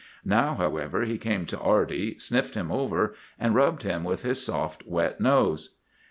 Now, however, he came to Arty, sniffed him over, and rubbed him with his soft, wet nose.